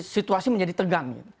situasi menjadi tegang